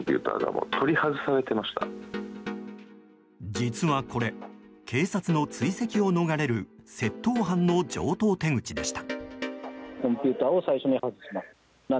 実はこれ、警察の追跡を逃れる窃盗犯の常套手口でした。